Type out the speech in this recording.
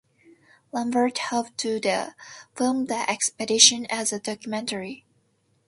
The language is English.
Lambert hoped to film the expedition as a documentary.